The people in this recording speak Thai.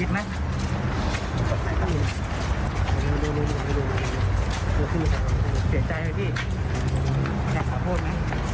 ได้ขอโทษไหม